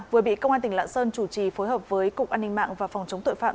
vừa bị công an tỉnh lạng sơn chủ trì phối hợp với cục an ninh mạng và phòng chống tội phạm